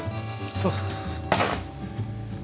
そうそうそうそう。